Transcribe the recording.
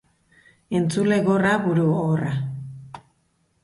Entzule gorra, buru gogorra